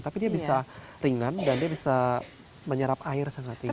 tapi dia bisa ringan dan dia bisa menyerap air sangat tinggi